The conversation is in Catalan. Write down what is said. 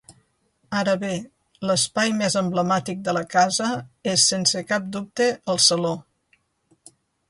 Ara bé, l'espai més emblemàtic de la casa és sense cap dubte el saló.